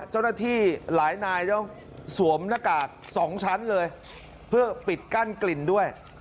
เจ้าหน้าที่หลายนายต้องสวมหน้ากาก๒ชั้นเลยเพื่อปิดกั้นกลิ่นด้วย